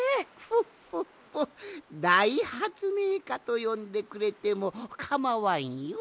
フォッフォッフォだいはつめいかとよんでくれてもかまわんよ。